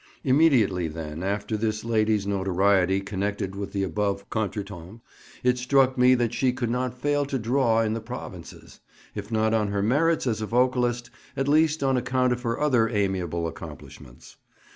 Immediately, then, after this lady's notoriety connected with the above contretemps, it struck me that she could not fail to "draw" in the provinces, if not on her merits as a vocalist, at least on account of her other amiable accomplishments.